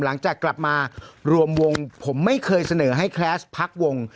หลังจากกลับมารวมวงผมไม่เคยเสนอให้แคสต์พักวง